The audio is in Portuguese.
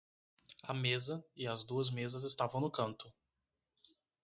A mesa e as duas mesas estavam no canto.